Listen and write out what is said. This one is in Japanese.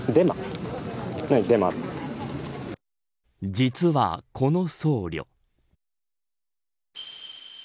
実はこの僧侶。